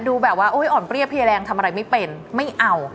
ดูแบบว่าอ่อนเปรี้ยเพลียแรงทำอะไรไม่เป็นไม่เอา